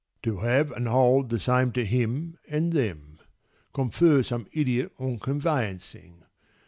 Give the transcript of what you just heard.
To have and hold the same to him and them ... Confer some idiot on Conveyancing.